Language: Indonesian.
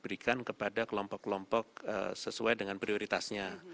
berikan kepada kelompok kelompok sesuai dengan prioritasnya